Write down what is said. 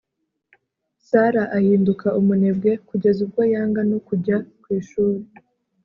Sarah ahinduka umunebwe kugeza ubwo yanga no kujya ku Ishuri